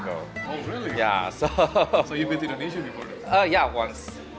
jadi anda pernah mencoba indonesia sebelum ini